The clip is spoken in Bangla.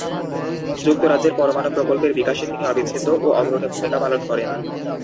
যুক্তরাজ্যের পরমাণু প্রকল্পের বিকাশে তিনি অবিচ্ছেদ্য ও অগ্রণী ভূমিকা পালন করেন।